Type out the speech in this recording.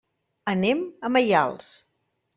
Anem a Maials.